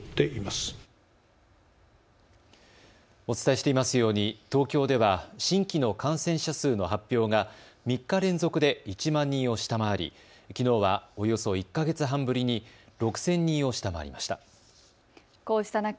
お伝えしていますように東京では新規の感染者数の発表が３日連続で１万人を下回りきのうはおよそ１か月半ぶりに６０００人を下回りました。